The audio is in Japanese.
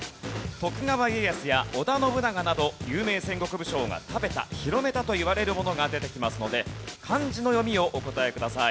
徳川家康や織田信長など有名戦国武将が食べた広めたといわれるものが出てきますので漢字の読みをお答えください。